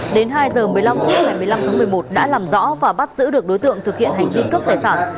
đến hai h một mươi năm phút ngày một mươi năm tháng một mươi một đã làm rõ và bắt giữ được đối tượng thực hiện hành vi cướp tài sản